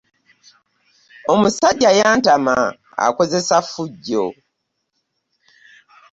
Omusajja yantama akozesa ffujjo.